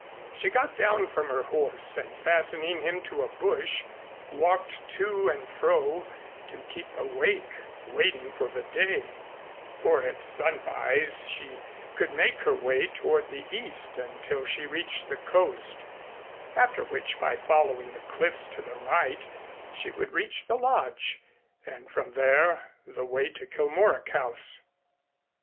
She got down from her horse and, fastening him to a bush, walked to and fro to keep awake, waiting for the day, for at sunrise she could make her way toward the east until she reached the coast, after which by following the cliffs to the right she would reach the Lodge, and from there the way to Kilmorack House.